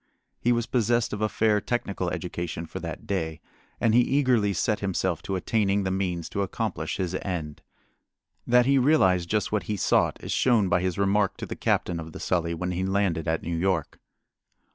He was possessed of a fair technical education for that day, and he eagerly set himself to attaining the means to accomplish his end. That he realized just what he sought is shown by his remark to the captain of the Sully when he landed at New York.